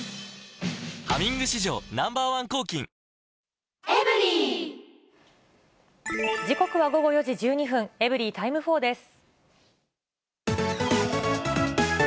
「ハミング」史上Ｎｏ．１抗菌時刻は午後４時１２分、エブリィタイム４です。